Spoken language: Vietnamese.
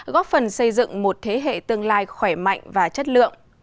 góp phần xây dựng một thế hệ tương lai khỏe mạnh và chất lượng